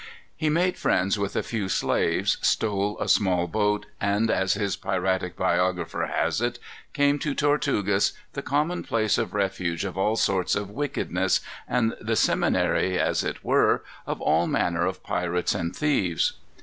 He made friends with a few slaves, stole a small boat, and, as his piratic biographer has it, "came to Tortugas, the common place of refuge of all sorts of wickedness, and the seminary, as it were, of all manner of pirates and thieves."